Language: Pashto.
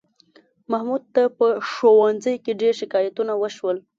محمود ته په ښوونځي کې ډېر شکایتونه وشول